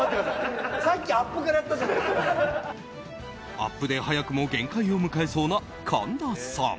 アップで早くも限界を迎えそうな神田さん。